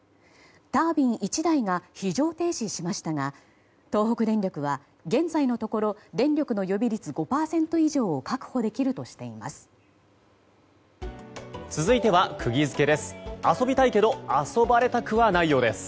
タービン１台が非常停止しましたが東北電力は現在のところ電力の予備率５％以上を確保できるとしています。